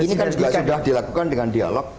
ini sudah dilakukan dengan dialog